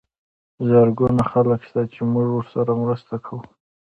زرګونه خلک شته چې موږ ورسره مرسته کوو.